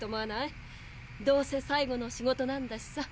どうせ最後の仕事なんだしさ。